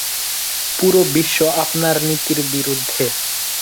পুরো বিশ্ব আপনার নীতির বিরুদ্ধে।